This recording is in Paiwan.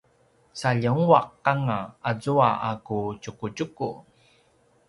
sa ljengua’ianga azua a ku tjukutjuku